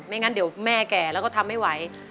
งั้นเดี๋ยวแม่แก่แล้วก็ทำไม่ไหว